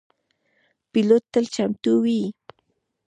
پیلوټ تل چمتو وي.